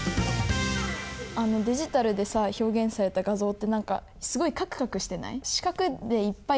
デジタルでさ表現された画像って何かすごいカクカクしてない？